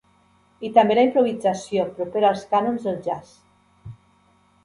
I també la improvisació, propera als cànons del jazz.